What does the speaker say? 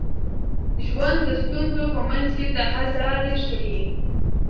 ژوند د ستونزو په منځ کي د حل لارې ښيي.